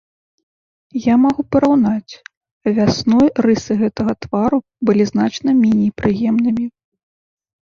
Я магу параўнаць, вясной рысы гэтага твару былі значна меней прыемнымі.